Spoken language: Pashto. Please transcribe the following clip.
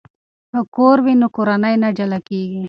که کور وي نو کورنۍ نه جلا کیږي.